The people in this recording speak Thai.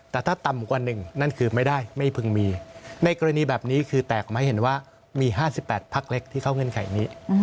แต่ถ้าต่ำกว่าหนึ่งนั่นคือไม่ได้ไม่พึงมีในกรณีแบบนี้คือแตกออกมาให้เห็นว่ามี๕๘พักเล็กที่เข้าเงื่อนไขนี้